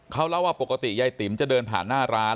เขาเล่าว่าปกติยายติ๋มจะเดินผ่านหน้าร้าน